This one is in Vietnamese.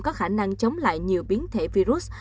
có khả năng chống lại nhiều biến thể virus